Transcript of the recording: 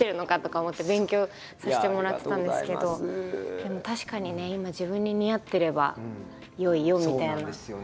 でも確かにね今自分に似合ってれば良いよみたいな。